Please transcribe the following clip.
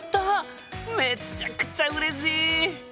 めっちゃくちゃうれしい！